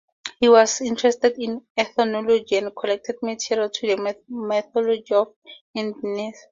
He was interested in ethnology and collected material on the mythology of indigenous people.